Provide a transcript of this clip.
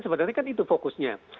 sebenarnya kan itu fokusnya